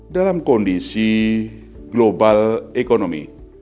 dalam kondisi global economy